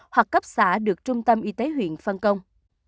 hoặc cấp xã được trung tâm y tế huyện phân công